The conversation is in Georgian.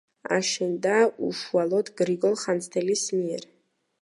აშენდა უშუალოდ გრიგოლ ხანძთელის მიერ.